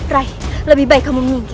rai lebih baik kamu menunggu